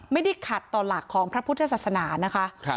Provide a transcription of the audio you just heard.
ไม่ได้ขัดต่อหลักของพระพุทธศาสนานะคะ